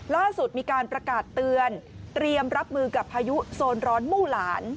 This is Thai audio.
ล่าสุดมีการประกาศเตือนเตรียมรับมือกับพายุโซนร้อนมู่หลาน